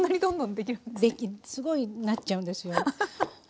できるすごいなっちゃうんですよ。